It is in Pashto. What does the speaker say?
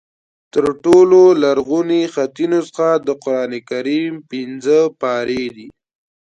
تر ټولو لرغونې خطي نسخه د قرآن کریم پنځه پارې دي.